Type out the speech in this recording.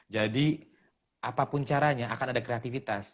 jadi apapun caranya akan ada kreativitas